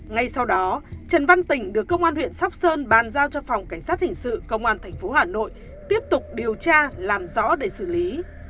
ngay sau đó trần văn tỉnh được công an huyện sóc sơn bàn giao cho phòng cảnh sát hình sự công an tp hà nội tiếp tục điều tra làm rõ để xử lý